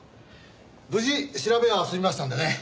無事調べは済みましたんでね。